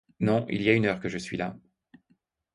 Non, il y a une heure que je suis là.